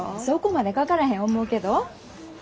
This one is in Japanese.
そこまでかからへん思うけど。